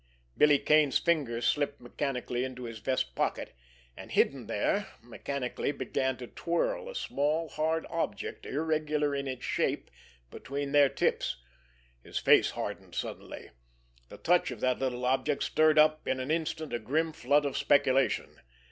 Billy Kane's fingers slipped mechanically into his vest pocket, and, hidden there, mechanically began to twirl a small, hard object, irregular in its shape, between their tips. His face hardened suddenly. The touch of that little object stirred up in an instant a grim flood of speculation.